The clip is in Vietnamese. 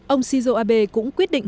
ông shinzo abe cũng quyết định